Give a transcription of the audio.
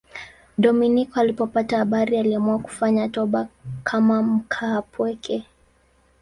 Dominiko alipopata habari aliamua kufanya toba kama mkaapweke.